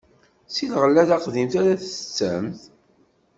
Si lɣella taqdimt ara tettettem.